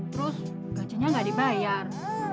terus gajinya ga dibayar